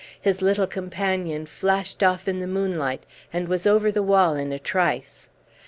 His little companion flashed off in the moonlight, and was over the wall in a trice.